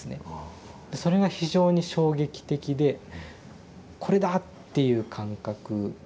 でそれが非常に衝撃的で「これだ！」っていう感覚。